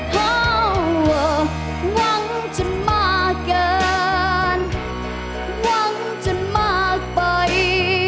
เท่าหวังจนมากเกินหวังจนมากไป